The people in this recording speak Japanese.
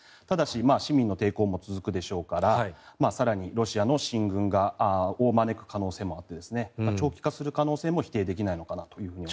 ただし、市民の抵抗も続くでしょうから更にロシアの進軍を招く可能性があって長期化する可能性も否定できないのかなと思います。